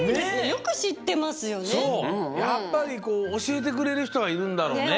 やっぱりこうおしえてくれるひとがいるんだろうね。